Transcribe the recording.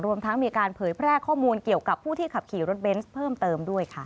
รวมทั้งมีการเผยแพร่ข้อมูลเกี่ยวกับผู้ที่ขับขี่รถเบนส์เพิ่มเติมด้วยค่ะ